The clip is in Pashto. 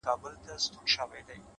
هر منزل د بل منزل لار هواروي،